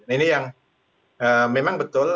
ini yang memang betul